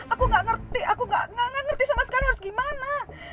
aku gak ngerti sama sekali harus gimana